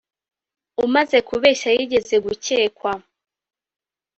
umaze kubeshya yigeze gukekwa.